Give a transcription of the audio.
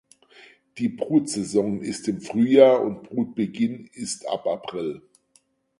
Die Brutsaison ist im Frühjahr und Brutbeginn ist ab April.